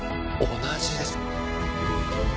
同じです。